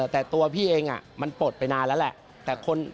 แต่ตัวพี่เองมันปลดไปนานแล้วแหละ